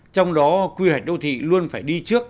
trong đó quy hoạch đô thị luôn phải đi trước